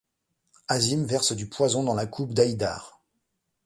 Azim verse du poison dans la coupe d'Aïdar.